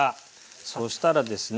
そしたらですね